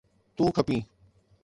تون کپين